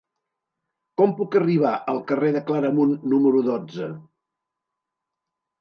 Com puc arribar al carrer de Claramunt número dotze?